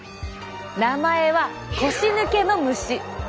名前は腰抜の虫。